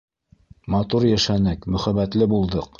Матур йәшәнек, мөхәббәтле булдыҡ.